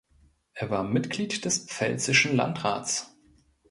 Er war Mitglied des pfälzischen Landrats.